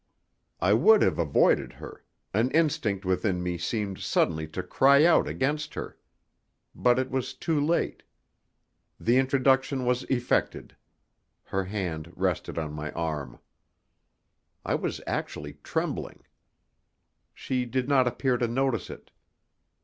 I would have avoided her; an instinct within me seemed suddenly to cry out against her. But it was too late: the introduction was effected; her hand rested on my arm. I was actually trembling. She did not appear to notice it.